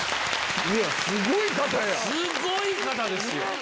すごい方ですよ。